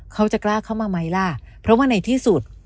เขาจะกล้าเข้ามาไหมล่ะเพราะว่าในที่สุด